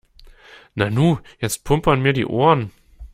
Nanu, jetzt pumpern mir die Ohren.